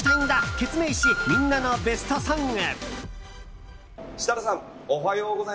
ケツメイシみんなのベストソング！